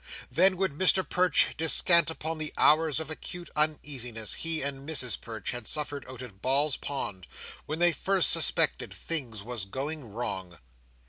Then would Mr Perch descant upon the hours of acute uneasiness he and Mrs Perch had suffered out at Balls Pond, when they first suspected "things was going wrong."